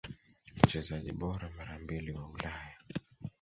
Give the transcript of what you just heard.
Mchezaji bora mara mbili wa Ulaya